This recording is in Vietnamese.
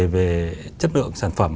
về chất lượng sản phẩm